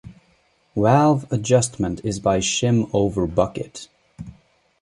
Valve adjustment is by shim over bucket.